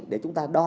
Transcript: để chúng ta đo